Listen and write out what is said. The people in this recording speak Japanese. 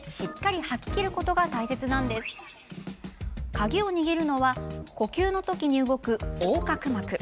鍵を握るのは呼吸の時に動く横隔膜。